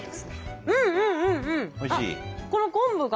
うんうんうんうん。